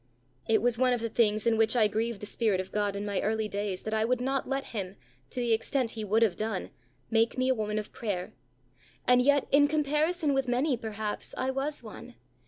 It was one of the things in which I grieved the Spirit of God in my early days that I would not let Him, to the extent He would have done, make me a woman of prayer; and yet, in comparison with many, perhaps, I was one.